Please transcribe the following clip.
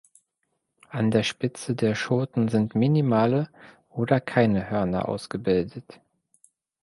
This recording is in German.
An der Spitze der Schoten sind minimale oder keine Hörner ausgebildet.